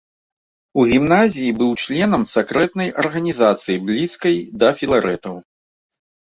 У гімназіі быў членам сакрэтнай арганізацыі блізкай да філарэтаў.